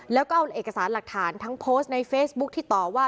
แล้วก็เอาเอกสารหลักฐานทั้งโพสต์ในเฟซบุ๊คที่ต่อว่า